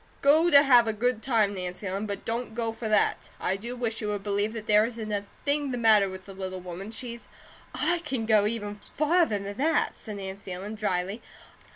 Go to have a good time, Nancy Ellen; but don't go for that. I do wish you would believe that there isn't a thing the matter with the little woman, she's " "I can go even farther than that," said Nancy Ellen, dryly.